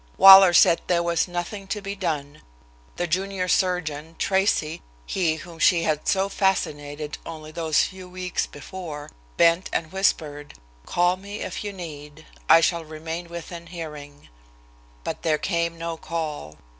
Waller said there was nothing to be done. The junior surgeon, Tracy, he whom she had so fascinated only those few weeks before, bent and whispered: "Call me if you need. I shall remain within hearing." But there came no call.